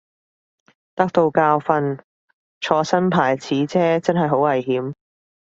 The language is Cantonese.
得到教訓，坐新牌子車真係好危險